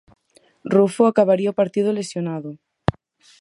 Rufo acabaría o partido lesionado.